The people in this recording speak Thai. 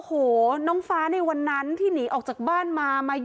แต่ในคลิปนี้มันก็ยังไม่ชัดนะว่ามีคนอื่นนอกจากเจ๊กั้งกับน้องฟ้าหรือเปล่าเนอะ